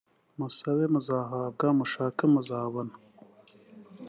musabe muzahabwa mushake muzabona